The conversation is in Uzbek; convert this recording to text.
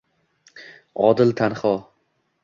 Odil tanho